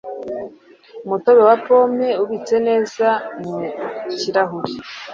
Umutobe wa pome ubitse neza mu kirahuri